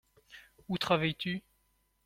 Où travailles-tu ?